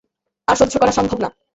আর সহ্য করা সম্ভব না।